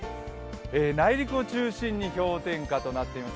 内陸を中心に氷点下となっています。